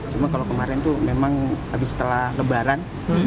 cuma kalau kemarin tuh memang habis setelah lebaran